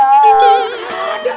ini nggak ada